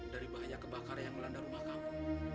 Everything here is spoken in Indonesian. dari bahaya kebakaran yang melanda rumah kamu